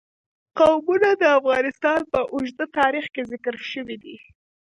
قومونه د افغانستان په اوږده تاریخ کې ذکر شوی دی.